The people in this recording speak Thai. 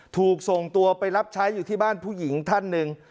ถูกส่งตัวไปรับใช้อยู่ที่บ้านผู้หญิงท่านหนึ่ง